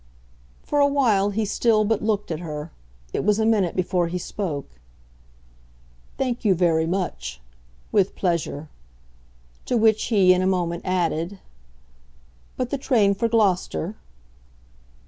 For a while he still but looked at her; it was a minute before he spoke. "Thank you very much. With pleasure." To which he in a moment added: "But the train for Gloucester?"